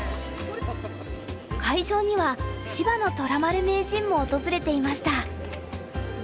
会場には芝野虎丸名人も訪れていました。